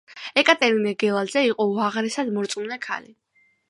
ეკატერინე გელაძე იყო უაღრესად მორწმუნე ქალი.